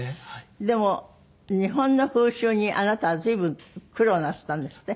でも日本の風習にあなたは随分苦労なすったんですって？